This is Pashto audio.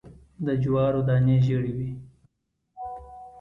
د جوارو دانی ژیړې وي